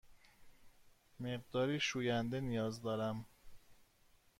مقداری شوینده نیاز دارم.